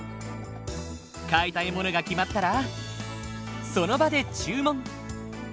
買いたいものが決まったらその場で注文。